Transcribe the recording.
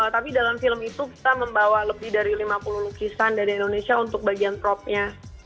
tapi dalam film itu kita membawa lebih dari lima puluh lukisan dari indonesia untuk bagian propnya